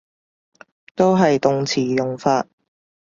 都係動詞用法